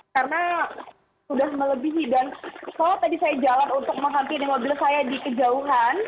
karena sudah melebihi dan kalau tadi saya jalan untuk menghenti mobil saya di kejauhan